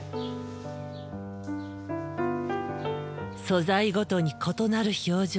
素材ごとに異なる表情。